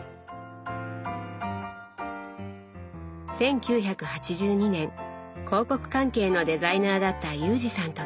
１９８２年広告関係のデザイナーだった裕二さんと結婚。